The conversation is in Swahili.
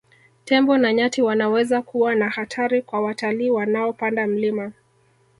Tembo na nyati wanaweza kuwa na hatari kwa watalii wanaopanda mlima